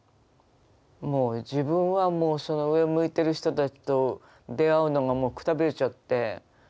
もう自分はもうその上を向いてる人たちと出会うのがもうくたびれちゃって。